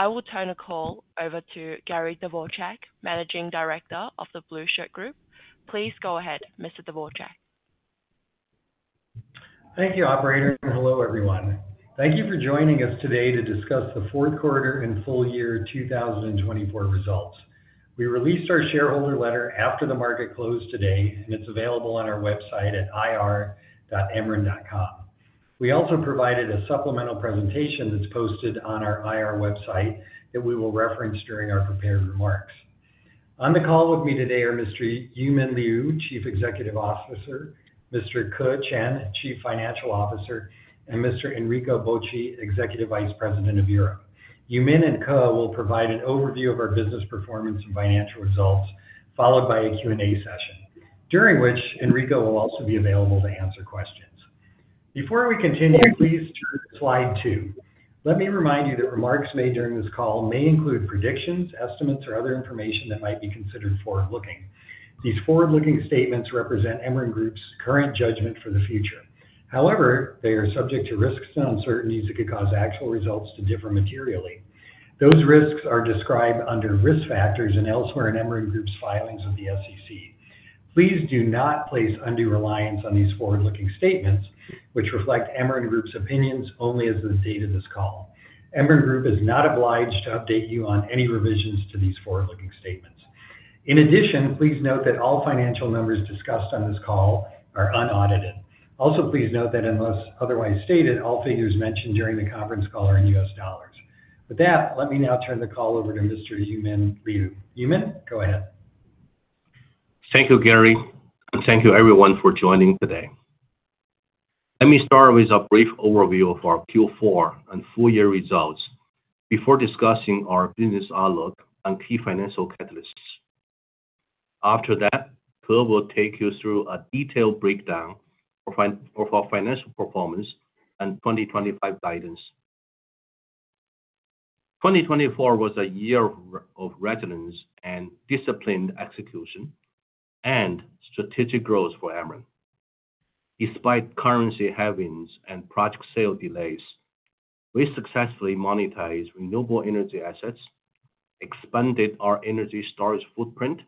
I will turn the call over to Gary Dvorchak, Managing Director of the Blueshirt Group. Please go ahead, Mr. Dvorchak. Thank you, Operator, and hello, everyone. Thank you for joining us today to discuss the Fourth Quarter And Full Year 2024 results. We released our shareholder letter after the market closed today, and it's available on our website at ir.emeren.com. We also provided a supplemental presentation that's posted on our IR website that we will reference during our prepared remarks. On the call with me today are Mr. Yumin Liu, Chief Executive Officer; Mr. Ke Chen, Chief Financial Officer; and Mr. Enrico Bocchi, Executive Vice President of Europe. Yumin and Ke will provide an overview of our business performance and financial results, followed by a Q&A session, during which Enrico will also be available to answer questions. Before we continue, please turn to slide two. Let me remind you that remarks made during this call may include predictions, estimates, or other information that might be considered forward-looking. These forward-looking statements represent Emeren Group's current judgment for the future. However, they are subject to risks and uncertainties that could cause actual results to differ materially. Those risks are described under risk factors and elsewhere in Emeren Group's filings with the SEC. Please do not place undue reliance on these forward-looking statements, which reflect Emeren Group's opinions only as of the date of this call. Emeren Group is not obliged to update you on any revisions to these forward-looking statements. In addition, please note that all financial numbers discussed on this call are unaudited. Also, please note that, unless otherwise stated, all figures mentioned during the conference call are in US dollars. With that, let me now turn the call over to Mr. Yumin Liu. Yumin, go ahead. Thank you, Gary, and thank you, everyone, for joining today. Let me start with a brief overview of our Q4 and full year results before discussing our business outlook and key financial catalysts. After that, Ke will take you through a detailed breakdown of our financial performance and 2025 guidance. 2024 was a year of resilience and disciplined execution and strategic growth for Emeren. Despite currency headwinds and project sale delays, we successfully monetized renewable energy assets, expanded our energy storage footprint,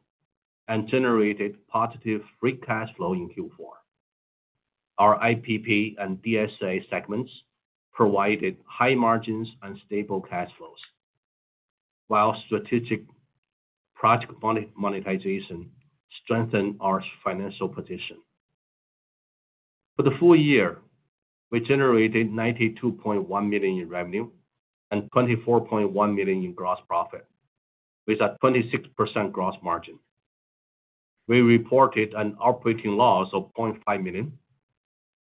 and generated positive free cash flow in Q4. Our IPP and DSA segments provided high margins and stable cash flows, while strategic project monetization strengthened our financial position. For the full year, we generated $92.1 million in revenue and $24.1 million in gross profit, with a 26% gross margin. We reported an operating loss of $500,000,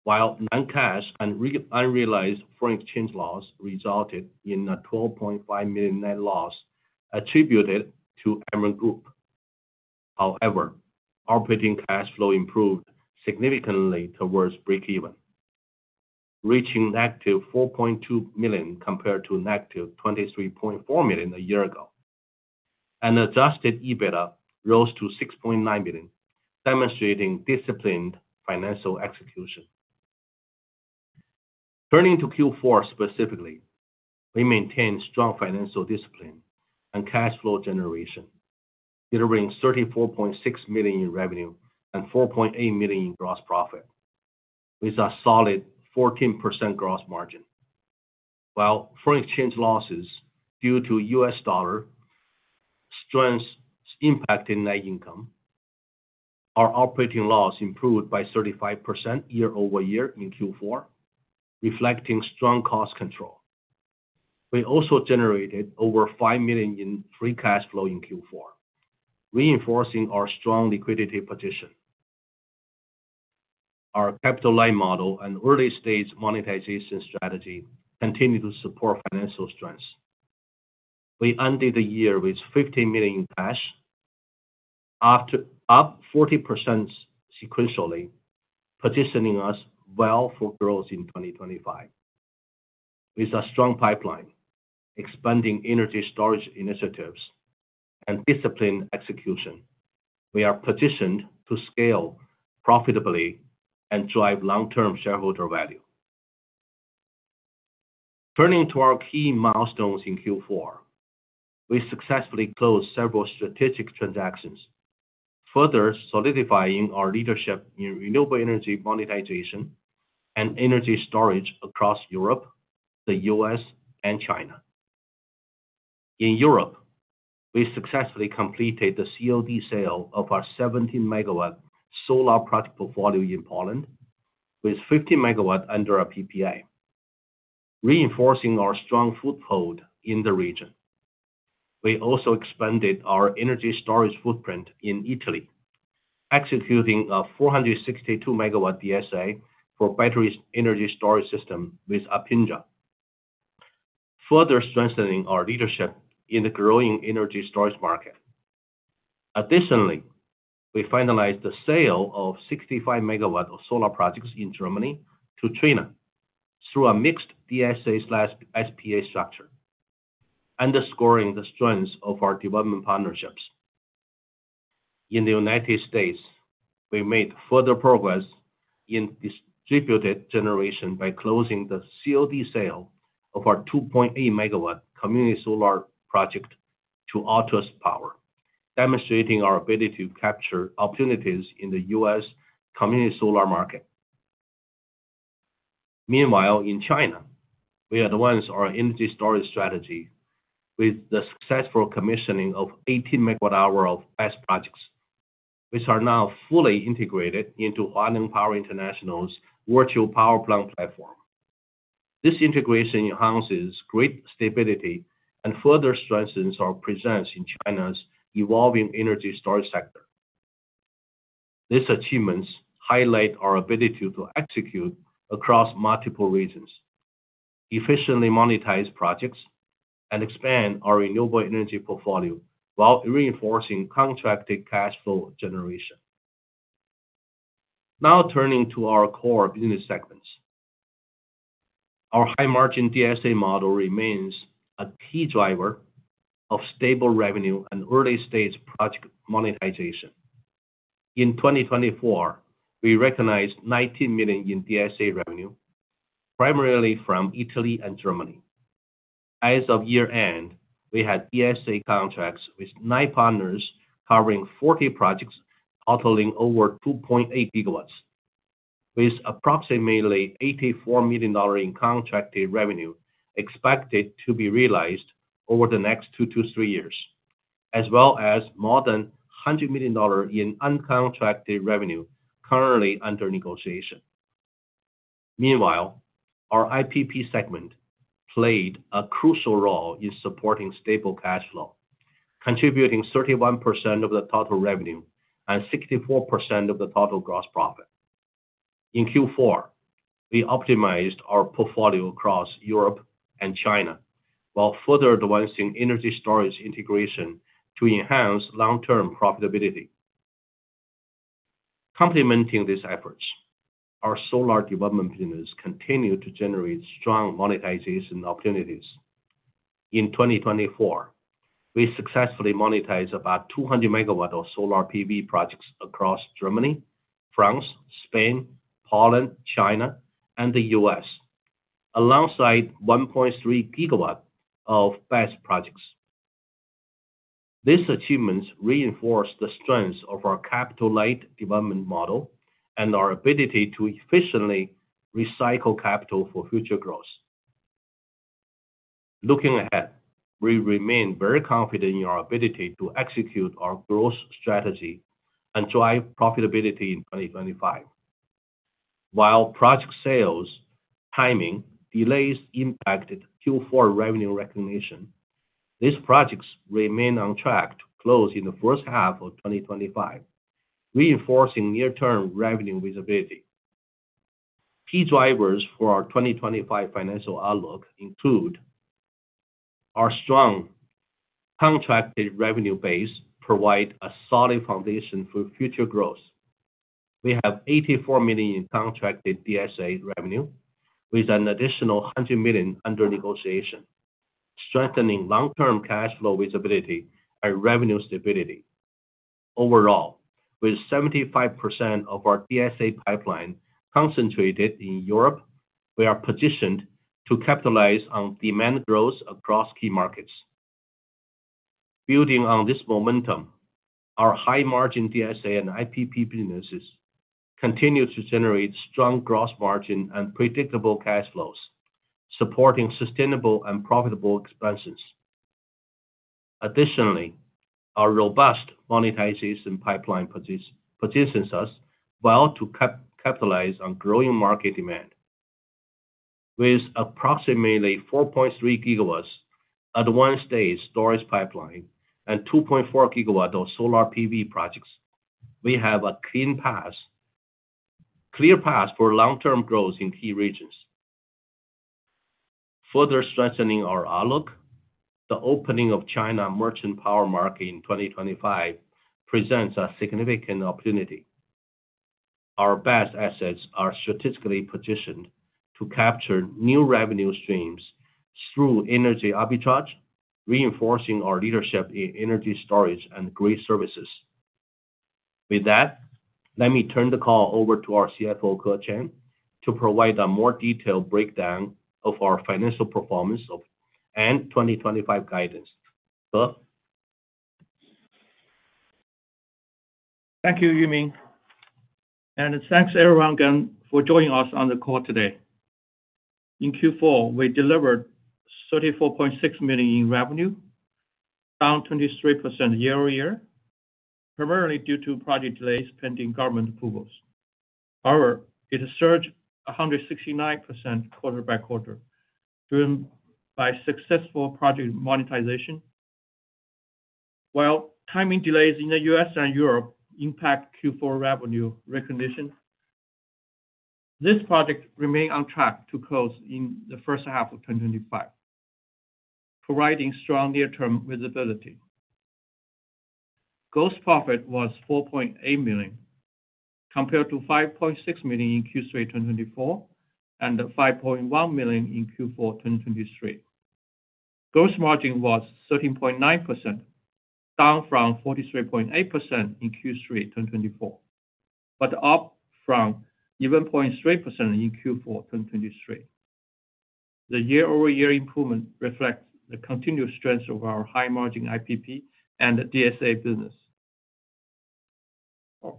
while non-cash and unrealized foreign exchange loss resulted in a $12.5 million net loss attributed to Emeren Group. However, operating cash flow improved significantly towards break-even, reaching negative $4.2 million compared to negative $23.4 million a year ago. An adjusted EBITDA rose to $6.9 million, demonstrating disciplined financial execution. Turning to Q4 specifically, we maintained strong financial discipline and cash flow generation, delivering $34.6 million in revenue and $4.8 million in gross profit, with a solid 14% gross margin. While foreign exchange losses due to US dollar strength impacted net income, our operating loss improved by 35% year-over-year in Q4, reflecting strong cost control. We also generated over $5 million in free cash flow in Q4, reinforcing our strong liquidity position. Our capital-light model and early-stage monetization strategy continue to support financial strength. We ended the year with $15 million in cash, up 40% sequentially, positioning us well for growth in 2025. With a strong pipeline, expanding energy storage initiatives, and disciplined execution, we are positioned to scale profitably and drive long-term shareholder value. Turning to our key milestones in Q4, we successfully closed several strategic transactions, further solidifying our leadership in renewable energy monetization and energy storage across Europe, the U.S., and China. In Europe, we successfully completed the COD sale of our 17 MW solar project portfolio in Poland, with 15 MW under our PPA, reinforcing our strong foothold in the region. We also expanded our energy storage footprint in Italy, executing a 462 MW DSA for battery energy storage system with Arpinge, further strengthening our leadership in the growing energy storage market. Additionally, we finalized the sale of 65 MW of solar projects in Germany to China through a mixed DSA/SPA structure, underscoring the strength of our development partnerships. In the U.S., we made further progress in distributed generation by closing the COD sale of our 2.8 MW community solar project to Altus Power, demonstrating our ability to capture opportunities in the US community solar market. Meanwhile, in China, we advanced our energy storage strategy with the successful commissioning of 18 MWh of BESS projects, which are now fully integrated into Huadian Power International's virtual power plant platform. This integration enhances grid stability and further strengthens our presence in China's evolving energy storage sector. These achievements highlight our ability to execute across multiple regions, efficiently monetize projects, and expand our renewable energy portfolio while reinforcing contracted cash flow generation. Now turning to our core business segments, our high-margin DSA model remains a key driver of stable revenue and early-stage project monetization. In 2024, we recognized $19 million in DSA revenue, primarily from Italy and Germany. As of year-end, we had DSA contracts with nine partners covering 40 projects totaling over 2.8 GW, with approximately $84 million in contracted revenue expected to be realized over the next two to three years, as well as more than $100 million in uncontracted revenue currently under negotiation. Meanwhile, our IPP segment played a crucial role in supporting stable cash flow, contributing 31% of the total revenue and 64% of the total gross profit. In Q4, we optimized our portfolio across Europe and China while further advancing energy storage integration to enhance long-term profitability. Complementing these efforts, our solar development business continued to generate strong monetization opportunities. In 2024, we successfully monetized about 200 MW of solar PV projects across Germany, France, Spain, Poland, China, and the U.S., alongside 1.3 GW of BESS projects. These achievements reinforce the strength of our capital-light development model and our ability to efficiently recycle capital for future growth. Looking ahead, we remain very confident in our ability to execute our growth strategy and drive profitability in 2025. While project sales timing delays impacted Q4 revenue recognition, these projects remain on track to close in the first half of 2025, reinforcing near-term revenue visibility. Key drivers for our 2025 financial outlook include our strong contracted revenue base providing a solid foundation for future growth. We have $84 million in contracted DSA revenue, with an additional $100 million under negotiation, strengthening long-term cash flow visibility and revenue stability. Overall, with 75% of our DSA pipeline concentrated in Europe, we are positioned to capitalize on demand growth across key markets. Building on this momentum, our high-margin DSA and IPP businesses continue to generate strong gross margin and predictable cash flows, supporting sustainable and profitable expansions. Additionally, our robust monetization pipeline positions us well to capitalize on growing market demand, with approximately 4.3 gigawatts advanced-stage storage pipeline and 2.4 GW of solar PV projects. We have a clear path for long-term growth in key regions. Further strengthening our outlook, the opening of China's merchant power market in 2025 presents a significant opportunity. Our BESS assets are strategically positioned to capture new revenue streams through energy arbitrage, reinforcing our leadership in energy storage and grid services. With that, let me turn the call over to our CFO, Ke Chen, to provide a more detailed breakdown of our financial performance and 2025 guidance. Ke. Thank you, Yumin. Thank you, everyone, again for joining us on the call today. In Q4, we delivered $34.6 million in revenue, down 23% year-over-year, primarily due to project delays pending government approvals. However, it surged 169% quarter by quarter driven by successful project monetization, while timing delays in the U.S. and Europe impacted Q4 revenue recognition. This project remained on track to close in the first half of 2025, providing strong near-term visibility. Gross profit was $4.8 million, compared to $5.6 million in Q3 2024 and $5.1 million in Q4 2023. Gross margin was 13.9%, down from 43.8% in Q3 2024, but up from 11.3% in Q4 2023. The year-over-year improvement reflects the continued strength of our high-margin IPP and DSA business.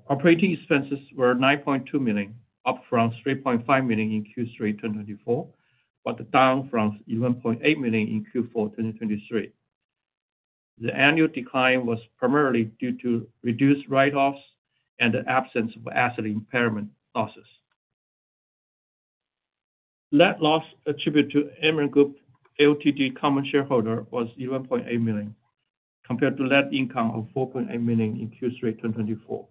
Operating expenses were $9.2 million, up from $3.5 million in Q3 2024, but down from $11.8 million in Q4 2023. The annual decline was primarily due to reduced write-offs and the absence of asset impairment losses. Net loss attributed to Emeren Group Ltd common shareholder was $11.8 million, compared to net income of $4.8 million in Q3 2024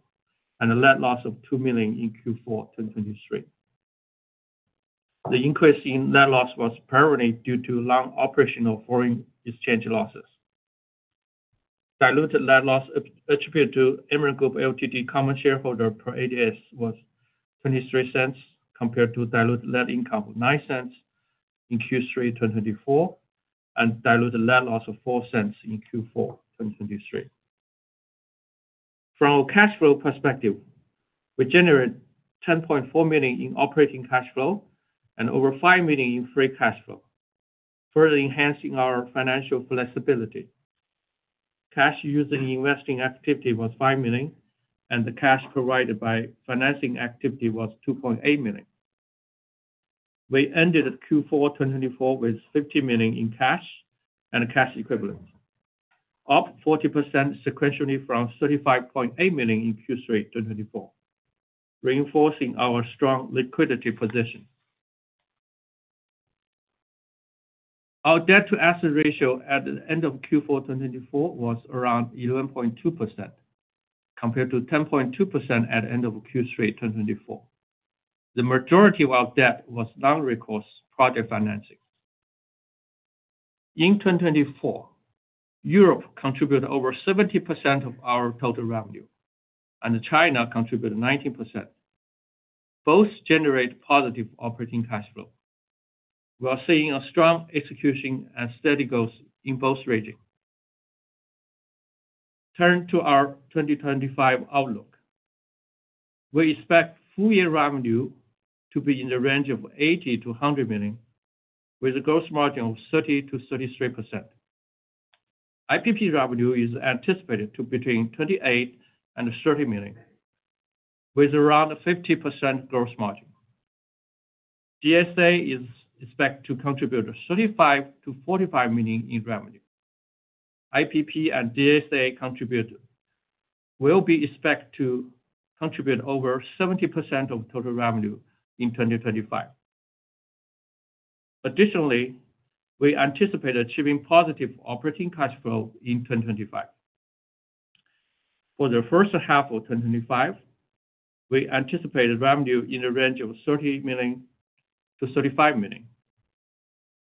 and a net loss of $2 million in Q4 2023. The increase in net loss was primarily due to non-operational foreign exchange losses. Diluted net loss attributed to Emeren Group Ltd common shareholder per ADS was $0.23, compared to diluted net income of $0.09 in Q3 2024 and diluted net loss of $0.04 in Q4 2023. From a cash flow perspective, we generated $10.4 million in operating cash flow and over $5 million in free cash flow, further enhancing our financial flexibility. Cash-using investing activity was $5 million, and the cash provided by financing activity was $2.8 million. We ended Q4 2024 with $15 million in cash and cash equivalents, up 40% sequentially from $35.8 million in Q3 2024, reinforcing our strong liquidity position. Our debt-to-asset ratio at the end of Q4 2024 was around 11.2%, compared to 10.2% at the end of Q3 2024. The majority of our debt was non-recourse project financing. In 2024, Europe contributed over 70% of our total revenue, and China contributed 19%. Both generated positive operating cash flow. We are seeing strong execution and steady growth in both regions. Turning to our 2025 outlook, we expect full-year revenue to be in the range of $80-$100 million, with a gross margin of 30%-33%. IPP revenue is anticipated to be between $28-$30 million, with around 50% gross margin. DSA is expected to contribute $35-$45 million in revenue. IPP and DSA contribute will be expected to contribute over 70% of total revenue in 2025. Additionally, we anticipate achieving positive operating cash flow in 2025. For the first half of 2025, we anticipate revenue in the range of $30 million-$35 million,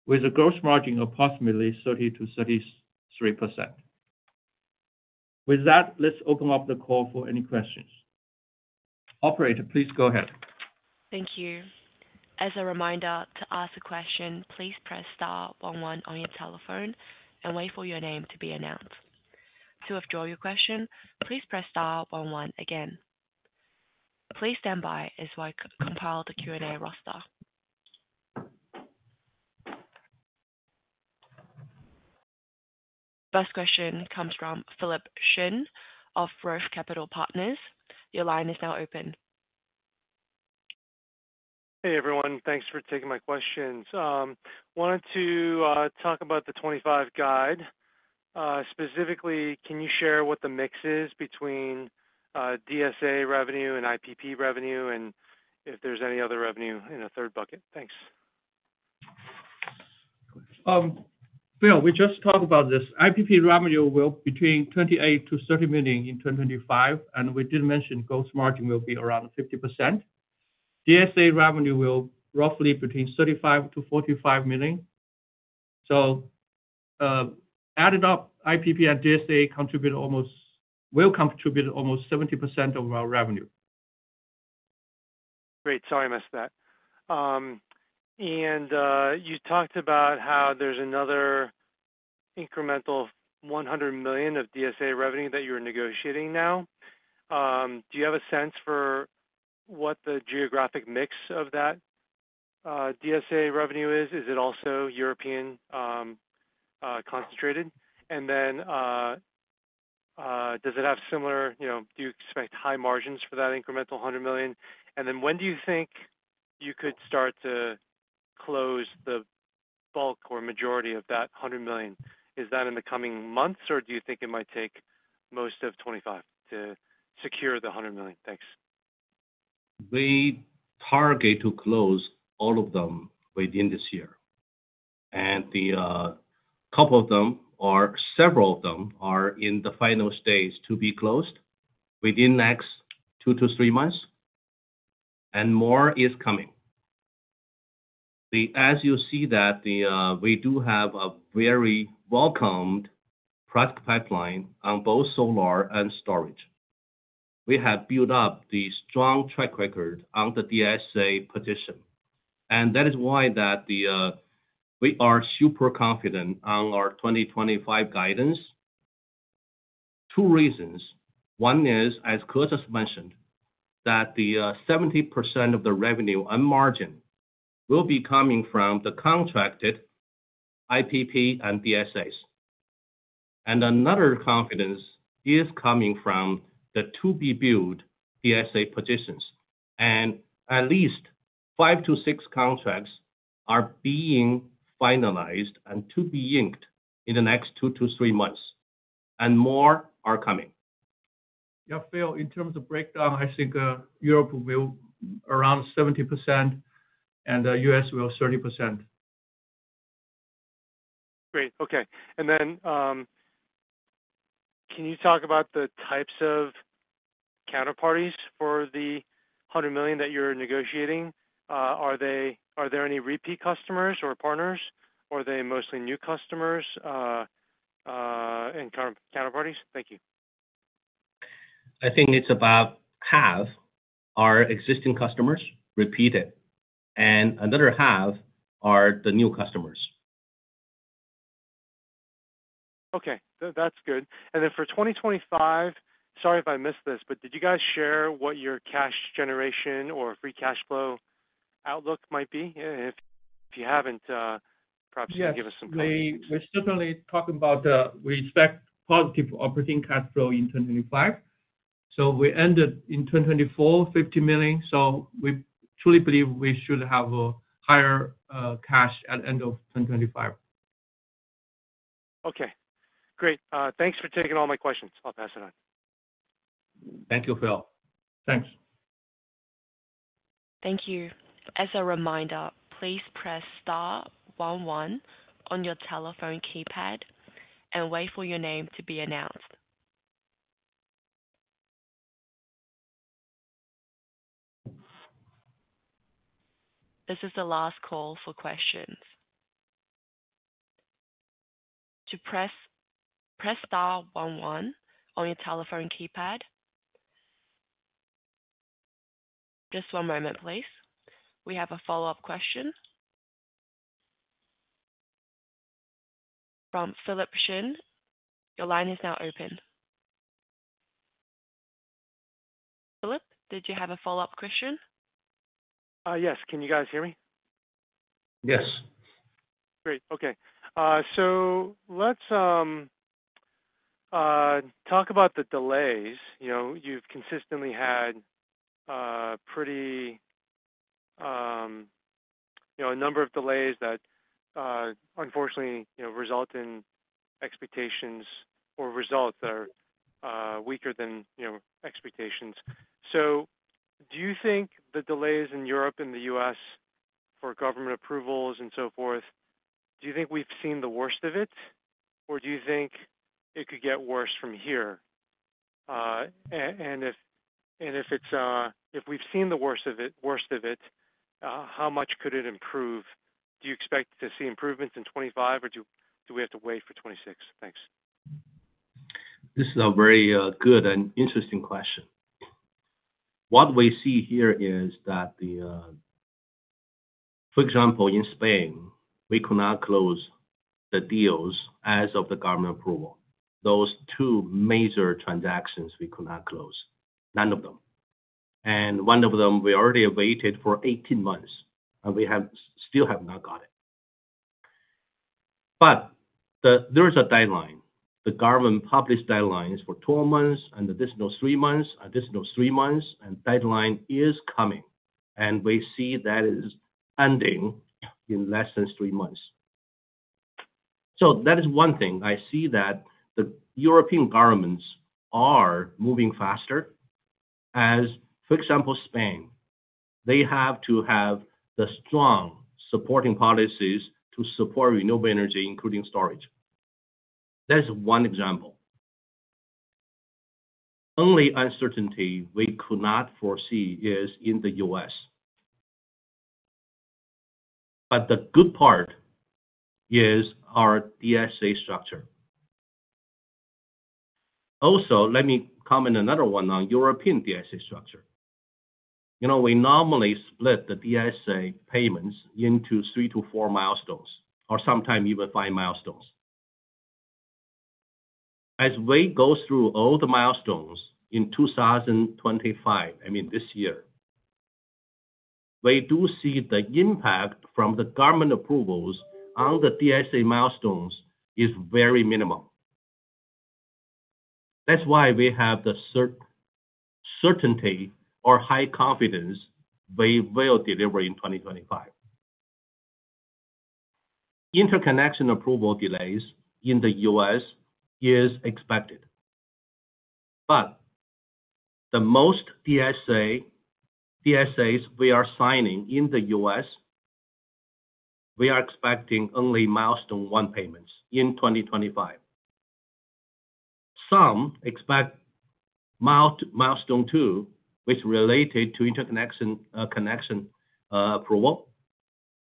with a gross margin of approximately 30%-33%. With that, let's open up the call for any questions. Operator, please go ahead. Thank you. As a reminder, to ask a question, please press star 1 1 on your telephone and wait for your name to be announced. To withdraw your question, please press star 1 1 again. Please stand by as we compile the Q&A roster. First question comes from Philip Shen of Roth Capital Partners. Your line is now open. Hey, everyone. Thanks for taking my questions. I wanted to talk about the 2025 guide. Specifically, can you share what the mix is between DSA revenue and IPP revenue, and if there's any other revenue in a third bucket? Thanks. We just talked about this. IPP revenue will be between $28 million and $30 million in 2025, and we did mention gross margin will be around 50%. DSA revenue will be roughly between $35 million and $45 million. Added up, IPP and DSA will contribute almost 70% of our revenue. Great. Sorry, I missed that. You talked about how there's another incremental $100 million of DSA revenue that you're negotiating now. Do you have a sense for what the geographic mix of that DSA revenue is? Is it also European concentrated? Do you expect high margins for that incremental $100 million? When do you think you could start to close the bulk or majority of that $100 million? Is that in the coming months, or do you think it might take most of 2025 to secure the $100 million? Thanks. We target to close all of them within this year. A couple of them, several of them, are in the final stage to be closed within the next 2-3 months, and more is coming. As you see, we do have a very well-combed product pipeline on both solar and storage. We have built up the strong track record on the DSA position. That is why we are super confident on our 2025 guidance. Two reasons. One is, as Ke just mentioned, that 70% of the revenue and margin will be coming from the contracted IPP and DSAs.Another confidence is coming from the to-be-built DSA positions. At least 5-6 contracts are being finalized and to be inked in the next 2-3 months, and more are coming. Yeah, Phil, in terms of breakdown, I think Europe will be around 70%, and the U.S. will be 30%. Great. Okay. Can you talk about the types of counterparties for the $100 million that you're negotiating? Are there any repeat customers or partners? Are they mostly new customers and counterparties? Thank you. I think it's about half are existing customers, repeated, and another half are the new customers. Okay. That's good. For 2025—sorry if I missed this—but did you guys share what your cash generation or free cash flow outlook might be? If you haven't, perhaps you can give us some comments. Yeah. We are certainly talking about—we expect positive operating cash flow in 2025. We ended in 2024, $50 million. We truly believe we should have higher cash at the end of 2025. Okay. Great. Thanks for taking all my questions. I'll pass it on. Thank you, Phil. Thanks. Thank you. As a reminder, please press star 11 on your telephone keypad and wait for your name to be announced. This is the last call for questions. To press star 11 on your telephone keypad, just one moment, please. We have a follow-up question from Philip Shen. Your line is now open. Philip, did you have a follow-up question? Yes. Can you guys hear me? Yes. Great. Okay. Let's talk about the delays. You've consistently had a number of delays that, unfortunately, result in expectations or results that are weaker than expectations. Do you think the delays in Europe and the U.S. for government approvals and so forth, do you think we've seen the worst of it, or do you think it could get worse from here? If we've seen the worst of it, how much could it improve? Do you expect to see improvements in 2025, or do we have to wait for 2026? Thanks. This is a very good and interesting question. What we see here is that, for example, in Spain, we could not close the deals as of the government approval. Those two major transactions, we could not close, none of them. One of them, we already waited for 18 months, and we still have not got it. There is a deadline. The government published deadlines for 12 months, and additional three months, additional three months, and deadline is coming. We see that it is ending in less than three months. That is one thing. I see that the European governments are moving faster. For example, Spain, they have to have the strong supporting policies to support renewable energy, including storage. That is one example. The only uncertainty we could not foresee is in the U.S. The good part is our DSA structure. Also, let me comment on another one on European DSA structure. We normally split the DSA payments into three to four milestones, or sometimes even five milestones. As we go through all the milestones in 2025, I mean, this year, we do see the impact from the government approvals on the DSA milestones is very minimal. That's why we have the certainty or high confidence we will deliver in 2025. Interconnection approval delays in the U.S. is expected. The most DSAs we are signing in the U.S., we are expecting only milestone one payments in 2025. Some expect milestone two, which is related to interconnection approval,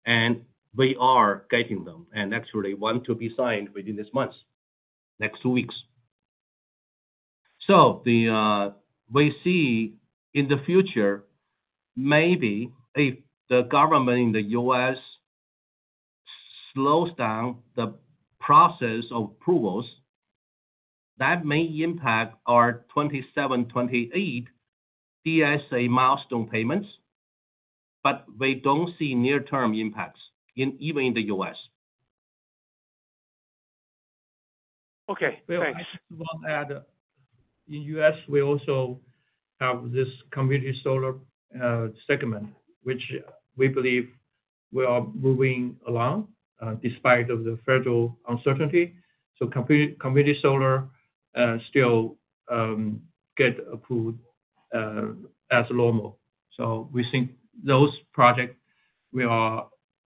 and we are getting them and actually want to be signed within this month, next two weeks. We see in the future, maybe if the government in the U.S.slows down the process of approvals, that may impact our 2027, 2028 DSA milestone payments, but we don't see near-term impacts, even in the U.S. Okay. Thanks. I just want to add, in the U.S., we also have this community solar segment, which we believe we are moving along despite the federal uncertainty. Community solar still gets approved as normal. We think those projects are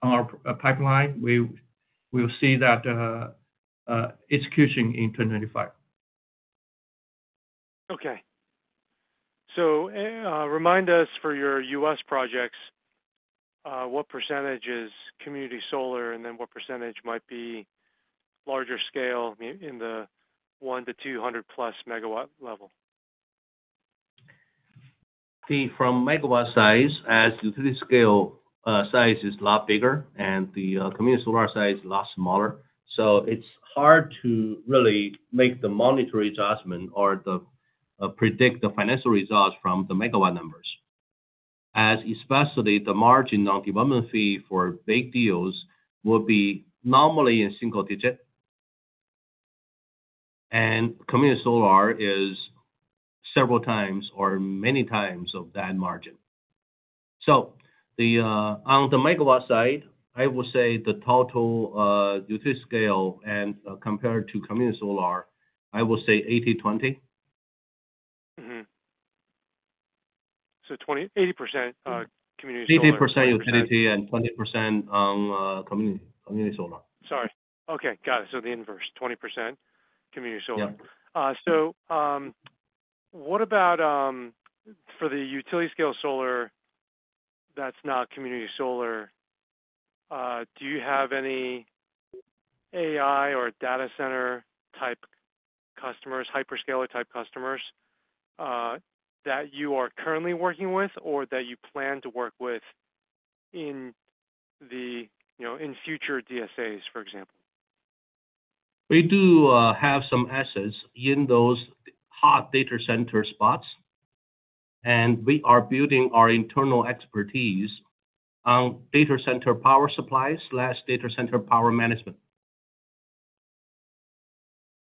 on our pipeline. We will see that execution in 2025. Okay. Remind us, for your U.S. projects, what percentage is community solar, and then what percentage might be larger scale in the 100 MW-200 MW-plus level? From megawatt size, as utility scale size is a lot bigger, and the community solar size is a lot smaller. It is hard to really make the monetary adjustment or predict the financial results from the megawatt numbers, especially the margin on development fee for big deals will be normally in single digits. Community solar is several times or many times of that margin. On the megawatt side, I would say the total utility scale compared to community solar, I would say 80%/20%. 80% community solar. 80% utility and 20% community solar. Sorry. Okay. Got it. The inverse, 20% community solar. Yeah. What about for the utility-scale solar that's not community solar? Do you have any AI or data center-type customers, hyperscaler-type customers that you are currently working with or that you plan to work with in future DSAs, for example? We do have some assets in those hot data center spots, and we are building our internal expertise on data center power supplies/data center power management.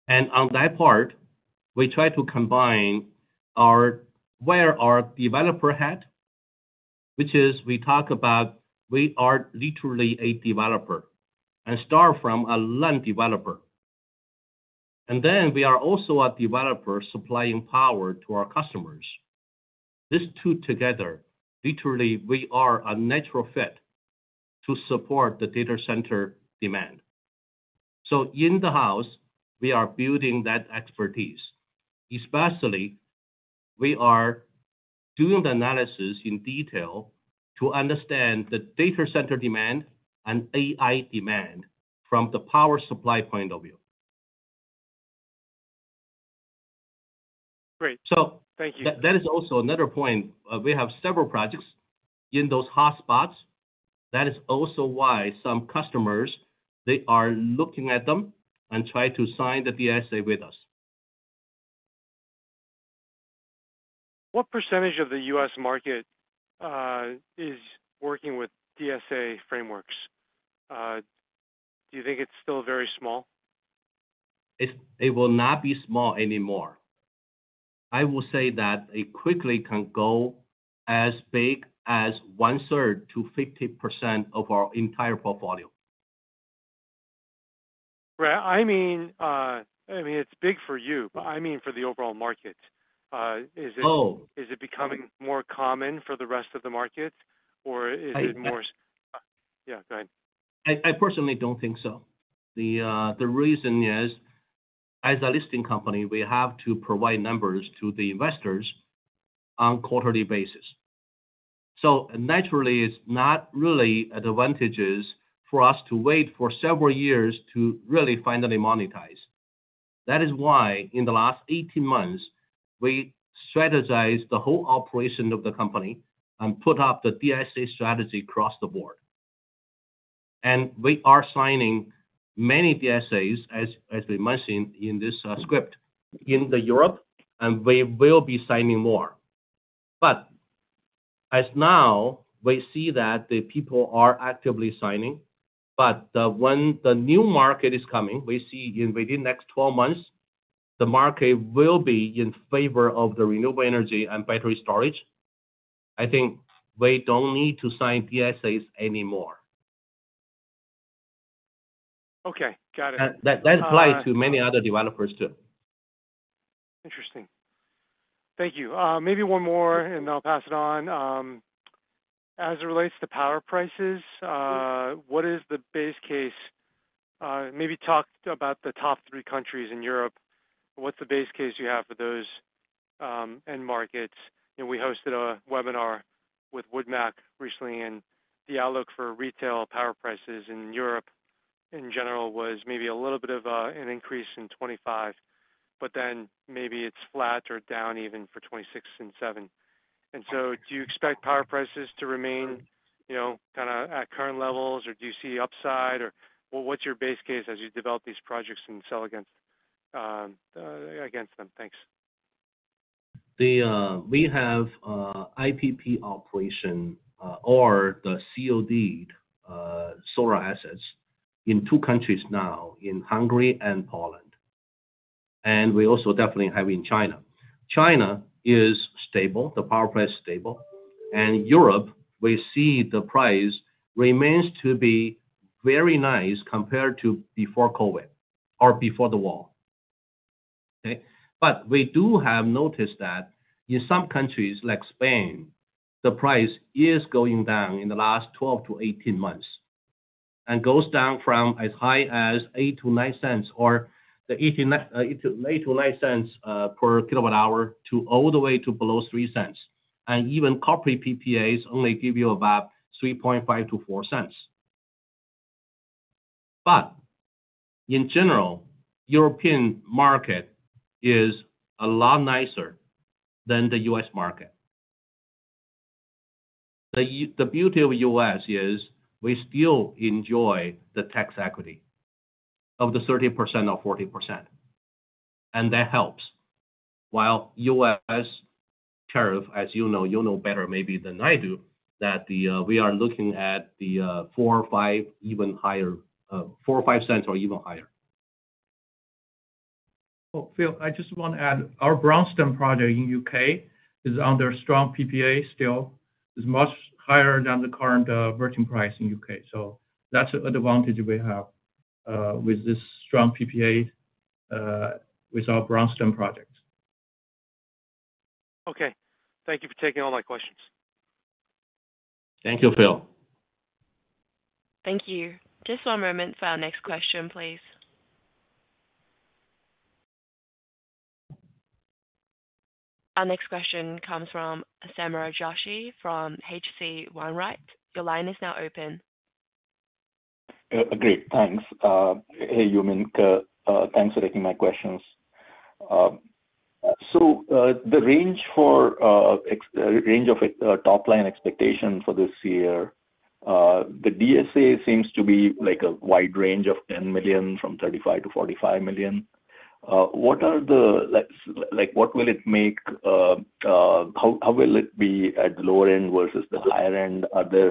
On that part, we try to combine where our developer hat, which is we talk about we are literally a developer and start from a land developer. We are also a developer supplying power to our customers. These two together, literally, we are a natural fit to support the data center demand. In the house, we are building that expertise. Especially, we are doing the analysis in detail to understand the data center demand and AI demand from the power supply point of view. Great. Thank you. That is also another point. We have several projects in those hotspots. That is also why some customers, they are looking at them and try to sign the DSA with us. What percentage of the U.S. market is working with DSA frameworks? Do you think it's still very small? It will not be small anymore. I will say that it quickly can go as big as one-third to 50% of our entire portfolio. I mean, it's big for you, but I mean for the overall market. Oh. Is it becoming more common for the rest of the market, or is it more? I think. Yeah. Go ahead. I personally don't think so. The reason is, as a listing company, we have to provide numbers to the investors on a quarterly basis. Naturally, it's not really advantageous for us to wait for several years to really finally monetize. That is why, in the last 18 months, we strategized the whole operation of the company and put up the DSA strategy across the board. We are signing many DSAs, as we mentioned in this script, in Europe, and we will be signing more. As now, we see that the people are actively signing. When the new market is coming, we see within the next 12 months, the market will be in favor of the renewable energy and battery storage. I think we don't need to sign DSAs anymore. Okay. Got it. That applies to many other developers too. Interesting. Thank you. Maybe one more, and I'll pass it on. As it relates to power prices, what is the base case? Maybe talk about the top three countries in Europe. What's the base case you have for those end markets? We hosted a webinar with Wood Mackenzie recently, and the outlook for retail power prices in Europe in general was maybe a little bit of an increase in 2025, but then maybe it's flat or down even for 2026 and 2027. Do you expect power prices to remain kind of at current levels, or do you see upside? What's your base case as you develop these projects and sell against them? Thanks. We have IPP operation or the COD solar assets in two countries now, in Hungary and Poland. We also definitely have in China. China is stable. The power price is stable. In Europe, we see the price remains to be very nice compared to before COVID or before the war. Okay? We do have noticed that in some countries like Spain, the price is going down in the last 12 to 18 months and goes down from as high as $0.08-$0.09 KWh to all the way to below $0.03. Even corporate PPAs only give you about $0.035-$0.04. In general, the European market is a lot nicer than the U.S. market. The beauty of the U.S. is we still enjoy the tax equity of the 30% or 40%. That helps. While U.S.Tariff, as you know, you know better maybe than I do, that we are looking at the 4-5, even higher, 4 or 5 cents or even higher. Phil, I just want to add our Branston project in the U.K. is under strong PPA still. It's much higher than the current merchant price in the U.K. That's an advantage we have with this strong PPA with our Branston project. Okay. Thank you for taking all my questions. Thank you, Phil. Thank you. Just one moment for our next question, please. Our next question comes from Sameer Joshi from H.C. Wainwright. Your line is now open. Agreed. Thanks. Hey, Yumin. Thanks for taking my questions. The range of top-line expectation for this year, the DSA seems to be a wide range of $10 million from $35 million-$45 million. What will it make? How will it be at the lower end versus the higher end? Are there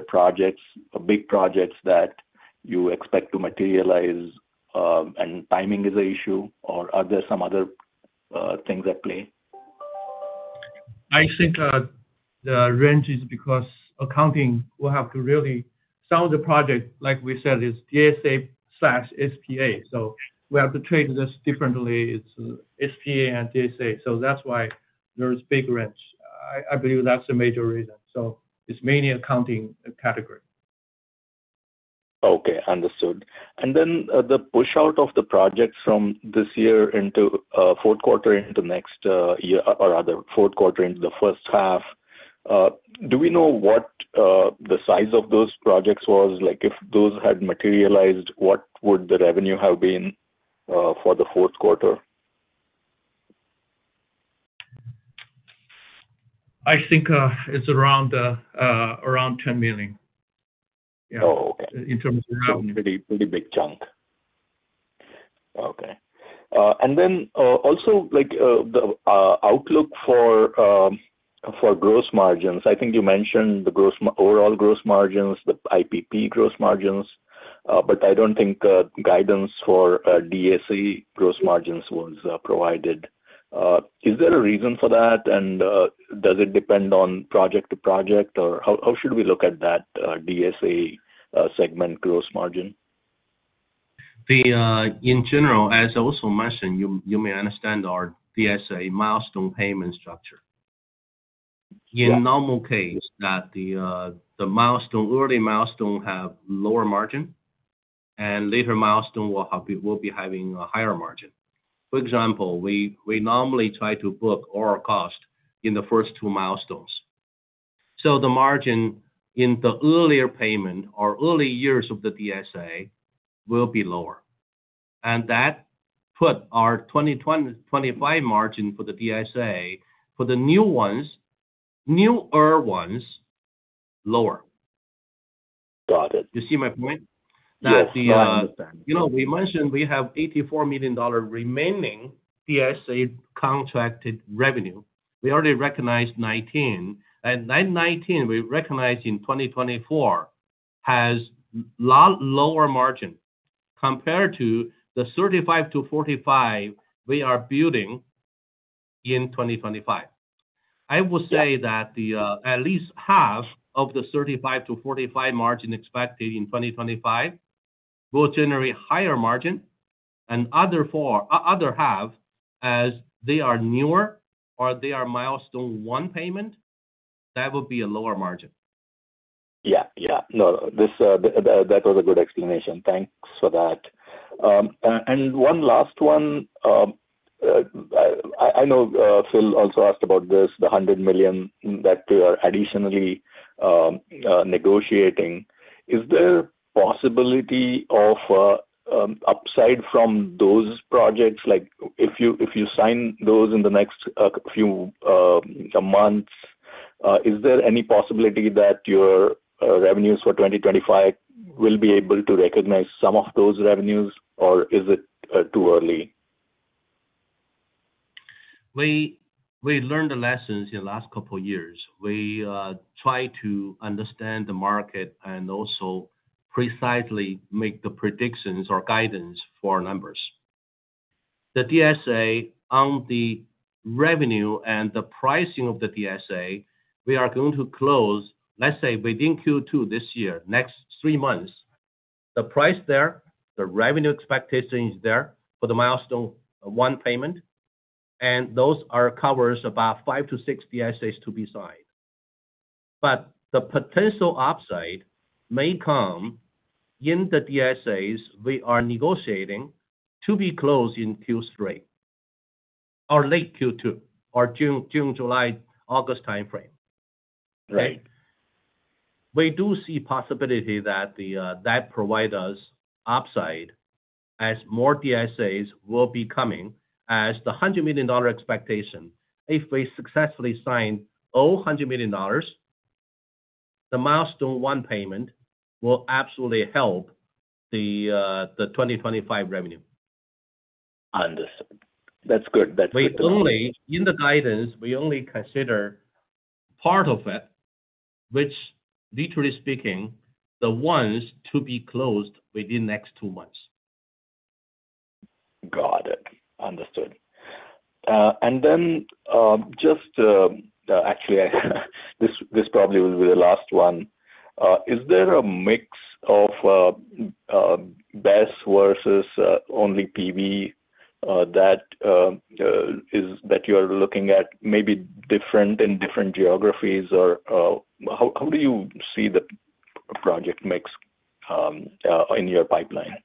big projects that you expect to materialize? Timing is an issue, or are there some other things at play? I think the range is because accounting will have to really some of the projects, like we said, is DSA/SPA. We have to trade this differently. It's SPA and DSA. That is why there's big range. I believe that's the major reason. It is mainly accounting category. Okay. Understood. The push-out of the projects from this year into fourth quarter into next year or rather fourth quarter into the first half, do we know what the size of those projects was? If those had materialized, what would the revenue have been for the fourth quarter? I think it's around $10 million. Yeah. Oh, okay. In terms of revenue. That's a pretty big chunk. Okay. Also, the outlook for gross margins. I think you mentioned the overall gross margins, the IPP gross margins, but I don't think guidance for DSA gross margins was provided. Is there a reason for that? Does it depend on project to project? How should we look at that DSA segment gross margin? In general, as I also mentioned, you may understand our DSA milestone payment structure. In normal case, the early milestone have lower margin, and later milestone will be having a higher margin. For example, we normally try to book all our costs in the first two milestones. So the margin in the earlier payment or early years of the DSA will be lower. That put our 2025 margin for the DSA for the new ones, newer ones, lower. Got it. You see my point? Yes. I understand. We mentioned we have $84 million remaining DSA contracted revenue. We already recognized $19 million. And that $19 million we recognized in 2024 has a lot lower margin compared to the $35 million-$45 million we are building in 2025. I would say that at least half of the $35 million-$45 million margin expected in 2025 will generate higher margin. And other half, as they are newer or they are milestone one payment, that will be a lower margin. Yeah. Yeah. No, that was a good explanation. Thanks for that. One last one. I know Phil also asked about this, the $100 million that you are additionally negotiating. Is there possibility of upside from those projects? If you sign those in the next few months, is there any possibility that your revenues for 2025 will be able to recognize some of those revenues, or is it too early? We learned the lessons in the last couple of years. We try to understand the market and also precisely make the predictions or guidance for numbers. The DSA on the revenue and the pricing of the DSA, we are going to close, let's say, within Q2 this year, next three months, the price there, the revenue expectation is there for the milestone one payment. Those are covers about five to six DSAs to be signed. The potential upside may come in the DSAs we are negotiating to be closed in Q3 or late Q2 or June, July, August timeframe. Okay? We do see possibility that that provides us upside as more DSAs will be coming as the $100 million expectation. If we successfully sign all $100 million, the milestone one payment will absolutely help the 2025 revenue. Understood. That's good. That's good. In the guidance, we only consider part of it, which, literally speaking, the ones to be closed within the next two months. Got it. Understood. Actually, this probably will be the last one. Is there a mix of BESS versus only PV that you are looking at maybe different in different geographies? Or how do you see the project mix in your pipeline?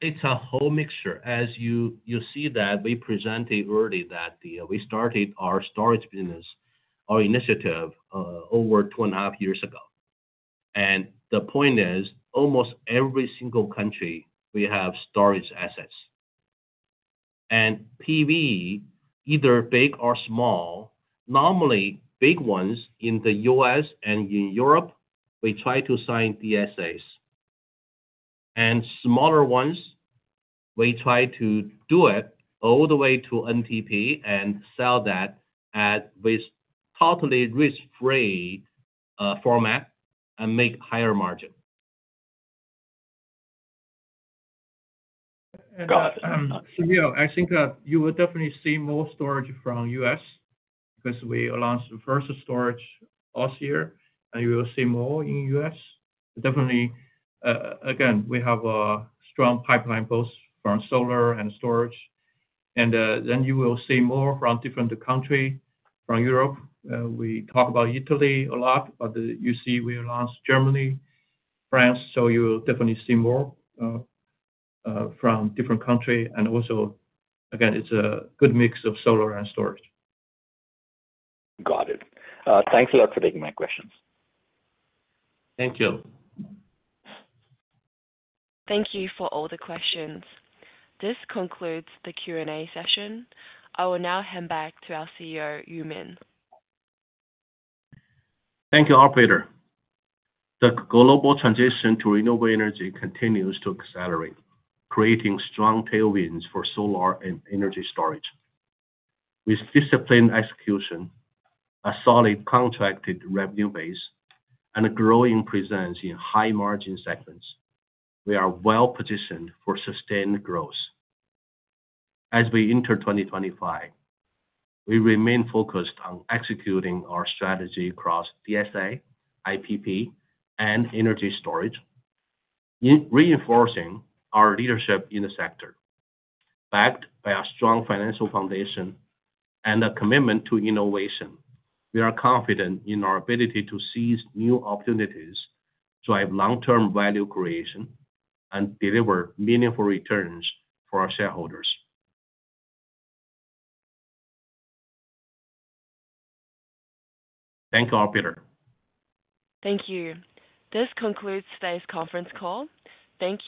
It's a whole mixture. As you see that, we presented early that we started our storage business, our initiative over two and a half years ago. The point is, almost every single country, we have storage assets. And PV, either big or small, normally big ones in the U.S. and in Europe, we try to sign DSAs. Smaller ones, we try to do it all the way to NTP and sell that with totally risk-free format and make higher margin. Got it. Sameer, I think you will definitely see more storage from the U.S. because we launched the first storage last year, and you will see more in the U.S. Definitely. Again, we have a strong pipeline both from solar and storage. You will see more from different countries from Europe. We talk about Italy a lot, but you see we launched Germany, France. You will definitely see more from different countries. Also, again, it's a good mix of solar and storage. Got it. Thanks a lot for taking my questions. Thank you. Thank you for all the questions. This concludes the Q&A session. I will now hand back to our CEO, Yumin. Thank you, Operator. The global transition to renewable energy continues to accelerate, creating strong tailwinds for solar and energy storage. With disciplined execution, a solid contracted revenue base, and a growing presence in high-margin segments, we are well-positioned for sustained growth. As we enter 2025, we remain focused on executing our strategy across DSA, IPP, and energy storage, reinforcing our leadership in the sector. Backed by a strong financial foundation and a commitment to innovation, we are confident in our ability to seize new opportunities, drive long-term value creation, and deliver meaningful returns for our shareholders. Thank you, Operator. Thank you. This concludes today's conference call. Thank you.